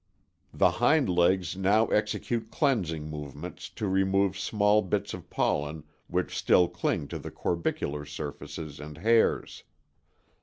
The hind legs now execute cleansing movements to remove small bits of pollen which still cling to the corbicular surfaces and hairs.